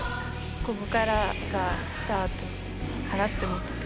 ここからがスタートかなって思ってて。